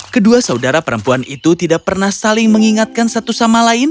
kedua saudara perempuan itu tidak pernah saling mengingatkan satu sama lain